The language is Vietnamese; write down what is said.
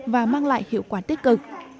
và mang lại hiệu quả tích cực